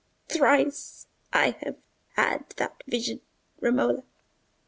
Thrice I have had that vision, Romola.